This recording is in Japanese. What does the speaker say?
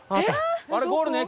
あれゴールの駅？